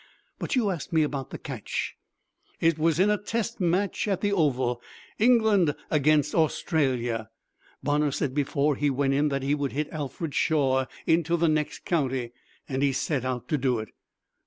But you asked me about the catch. It was in a test match at the Oval England against Australia. Bonner said before he went in that he would hit Alfred Shaw into the next county, and he set out to do it.